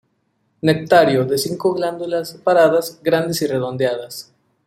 Nectario de cinco glándulas separadas, grandes y redondeadas.